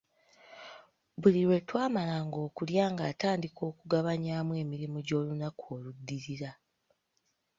Buli lwetwamalanga okulya nga atandika okugabanyaamu emirimu gy'olunaku oluddirira.